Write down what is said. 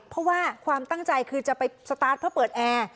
เพราะว่าความตั้งใจคือจะไปสตาร์ทเพื่อเปิดแอร์